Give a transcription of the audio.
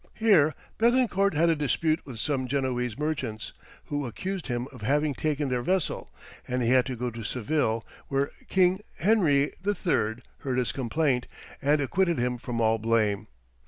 Here Béthencourt had a dispute with some Genoese merchants, who accused him of having taken their vessel, and he had to go to Seville, where King Henry III. heard his complaint and acquitted him from all blame.